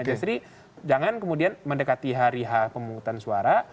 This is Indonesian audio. jadi jangan kemudian mendekati hari h pemungutan suara